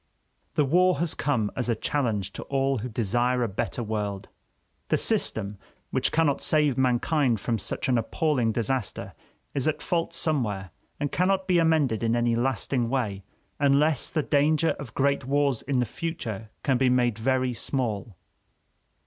The war has come as a challenge to all who desire a better world. The system which cannot save mankind from such an appalling disaster is at fault somewhere, and cannot be amended in any lasting way unless the danger of great wars in the future can be made very small.